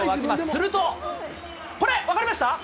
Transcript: するとこれ、これ、分かりました？